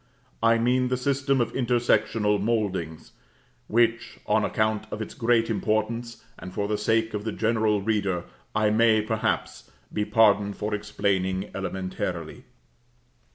I mean the system of intersectional mouldings, which, on account of its great importance, and for the sake of the general reader, I may, perhaps, be pardoned for explaining elementarily.